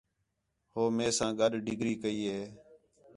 ہو میساں گڈ ڈگری کی ہے